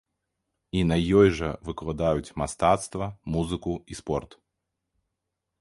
І на ёй жа выкладаюць мастацтва, музыку і спорт.